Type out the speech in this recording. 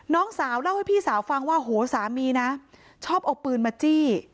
น้องสาวเล่าให้พี่สาวฟังว่าโหสามีนะชอบเอาปืนมาจี้